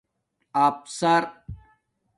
افسر